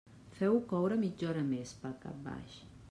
Feu-ho coure mitja hora més, pel cap baix.